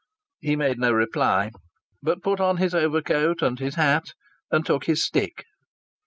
He made no reply, but put on his overcoat and his hat and took his stick.